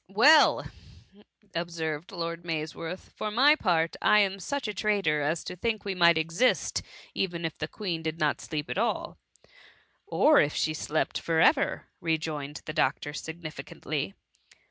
Well !'' observed Lord Maysworth, " for my part, I am such a traitor as to think we might exist, even if the Queen did not sleep at aU.*" " Or if she slept for ever,^ rejoined the doc tor significantly.